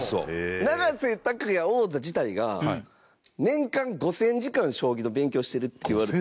永瀬拓矢王座自体が年間５０００時間将棋の勉強してるっていわれて。